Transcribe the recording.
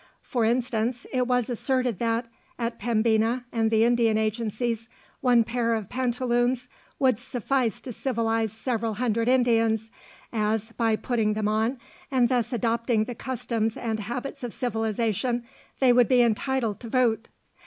For instance, it was asserted that, at Pembina and the Indian agencies, one pair of pantaloons would suffice to civilize several hundred Indians, as, by putting them on, and thus adopting the customs and habits of civilization, they would be entitled to vote.